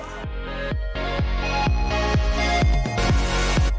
รบกว่าเอาให้เยี่ยม